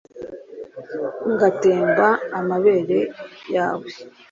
Ngatemba amabere yawe